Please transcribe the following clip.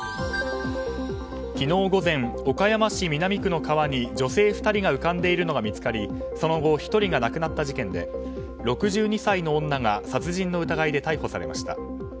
昨日午前、岡山市南区の川に女性２人が浮かんでいるのが見つかりその後、１人が亡くなった事件で６２歳の女が殺人の疑いで逮捕されました。